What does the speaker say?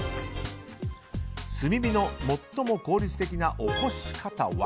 炭火の最も効率的なおこし方は？